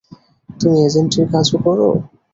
তুমি এজেন্টের কাজও করো?